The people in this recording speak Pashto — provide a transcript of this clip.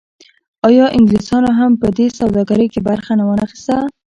آیا انګلیسانو هم په دې سوداګرۍ کې برخه ونه اخیسته؟